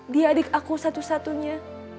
dia adik aku satu satunya